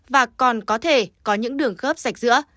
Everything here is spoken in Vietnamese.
và còn có thể có những đường khớp sạch giữa